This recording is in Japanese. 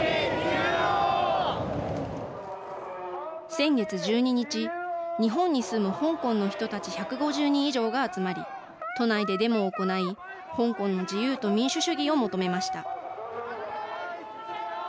先月１２日日本に住む香港の人たち１５０人以上が集まり都内でデモを行い香港の自由と民主主義を求めました。